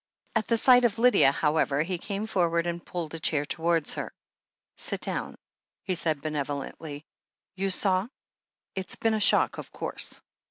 At the sight of Lydia, however, he came forward and pulled a chair towards her. "Sit down," he said benevolently. "You saw ...? It's been a shock, of course."